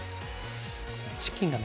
チキンがね